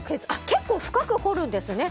結構深く掘るんですね。